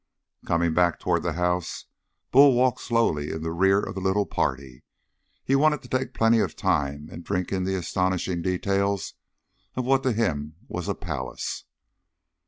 Coming back toward the house Bull walked slowly in the rear of the little party. He wanted to take plenty of time and drink in the astonishing details of what to him was a palace.